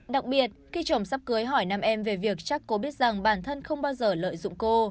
đặc biệt khi chồng sắp cưới hỏi nam em về việc chắc cô biết rằng bản thân không bao giờ lợi dụng cô